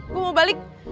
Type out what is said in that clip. gue mau balik